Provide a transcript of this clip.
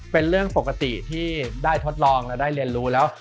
เป็นเรื่องปกติที่ได้ทดลองและได้เรียนรู้แล้ว